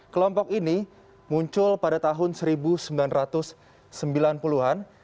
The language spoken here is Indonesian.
kelompok ini muncul pada tahun seribu sembilan ratus sembilan puluh an